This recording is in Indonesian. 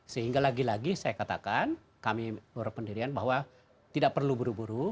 sehingga lagi lagi saya katakan kami berpendirian bahwa tidak perlu buru buru